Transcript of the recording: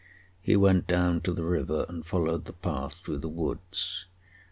He went down to the river and followed the path through the woods.